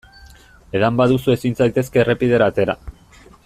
Edan baduzu ezin zaitezke errepidera atera.